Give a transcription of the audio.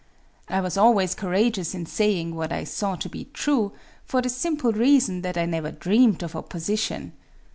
I was always courageous in saying what I saw to be true, for the simple reason that I never dreamed of opposition.